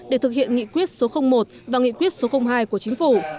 để thực hiện nghị quyết số một và nghị quyết số hai của chính phủ